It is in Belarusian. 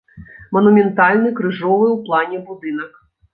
Манументальны крыжовы ў плане будынак.